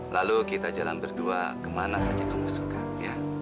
lalu kita jalan berdua ke mana saja kamu suka ya